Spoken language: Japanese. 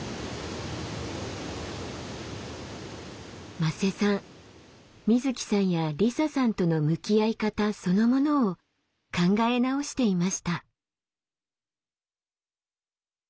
馬瀬さんみずきさんやりささんとの向き合い方そのものを考え直していました。